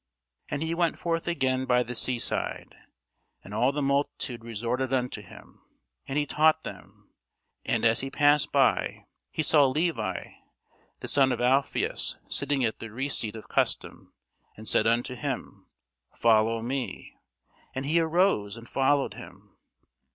And he went forth again by the sea side; and all the multitude resorted unto him, and he taught them. And as he passed by, he saw Levi the son of Alphæus sitting at the receipt of custom, and said unto him, Follow me. And he arose and followed him.